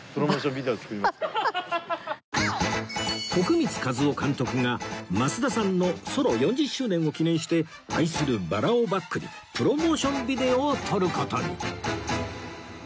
徳光和夫監督が増田さんのソロ４０周年を記念して愛するバラをバックにプロモーションビデオを撮る事に！